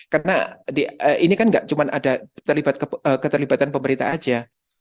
karena ini kan enggak cuma ada keterlibatan pemerintah saja